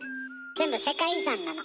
全部世界遺産なの。